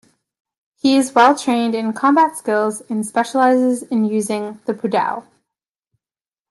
He is well-trained in combat skills and specialises in using the pudao.